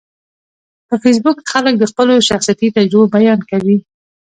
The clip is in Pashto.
په فېسبوک کې خلک د خپلو شخصیتي تجربو بیان کوي